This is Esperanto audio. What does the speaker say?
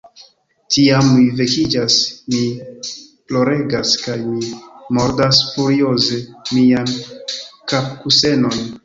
Tiam, mi vekiĝas, mi ploregas, kaj mi mordas furioze mian kapkusenon.